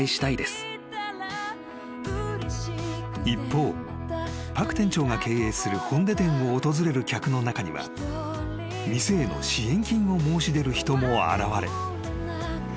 ［一方パク店長が経営する弘大店を訪れる客の中には店への支援金を申し出る人も現れ］